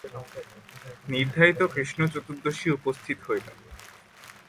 নির্ধারিত কৃষ্ণ চতুর্দশী উপস্থিত হইল।